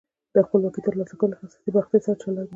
د خپلواکۍ ترلاسه کول حساسې مقطعې سره چلند و.